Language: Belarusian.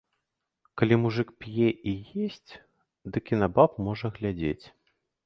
Калі мужык п'е і есць, дык і на баб можа глядзець!